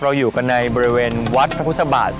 เราอยู่กันในบริเวณวัดพระพุทธบาทสุดท้าย